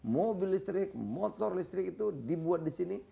mobil listrik motor listrik itu dibuat disini